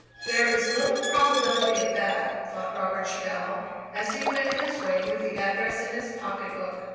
"There is little probability of that," thought Robert Channell, as he went his way with the address in his pocket book.